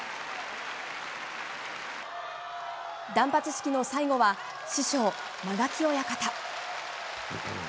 断髪式の最後は、師匠、間垣親方。